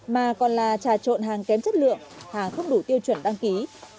mà còn là trà trộn hàng kém chất lượng hàng không đủ tiêu chuẩn đăng ký